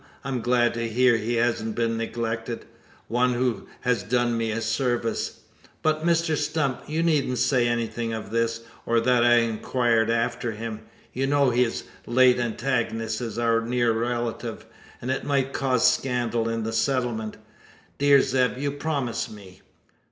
I'm glad to hear he hasn't been neglected one who has done me a service. But, Mr Stump, you needn't say anything of this, or that I inquired after him. You know his late antagonist is our near relative; and it might cause scandal in the settlement. Dear Zeb, you promise me?"